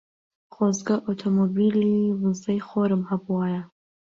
خۆزگە ئۆتۆمۆبیلی وزەی خۆرم هەبوایە.